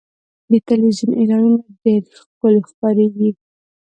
د تلویزیون اعلانونه ډېر ښکلي جوړېږي.